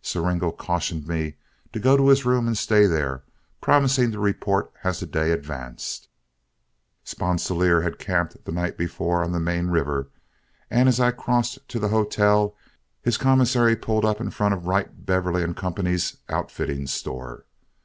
Siringo cautioned me to go to his room and stay there, promising to report as the day advanced. Sponsilier had camped the night before on the main river, and as I crossed to the hotel, his commissary pulled up in front of Wright, Beverly & Co.'s outfitting store.